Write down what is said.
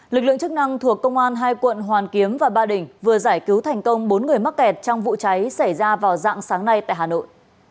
lực lượng chức năng thuộc công an hai quận hoàn kiếm và ba đình vừa giải cứu thành công bốn người mắc kẹt trong vụ cháy xảy ra vào dạng sáng nay tại hà nội